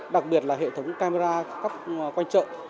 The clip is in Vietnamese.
đặc biệt là hệ thống camera các quanh chợ